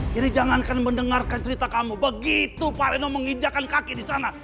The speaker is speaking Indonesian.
jadi jangankan mendengarkan cerita kamu begitu pak reno mengijakkan kaki disana